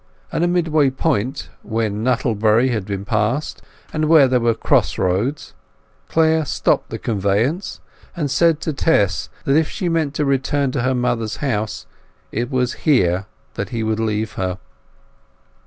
At a midway point, when Nuttlebury had been passed, and where there were cross roads, Clare stopped the conveyance and said to Tess that if she meant to return to her mother's house it was here that he would leave her.